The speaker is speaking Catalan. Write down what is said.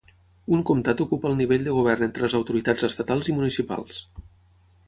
Un comtat ocupa el nivell de govern entre les autoritats estatals i municipals.